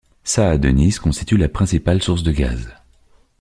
Shah Deniz constitue la principale source de gaz.